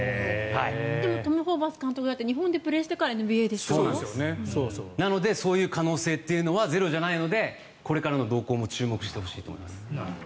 でもトム・ホーバス監督も日本でプレーしてからなので、そういう可能性はゼロじゃないのでこれからの動向も注目してほしいと思います。